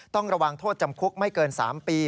ต้องระวังโทษจำคุกไม่เกิน๓ปี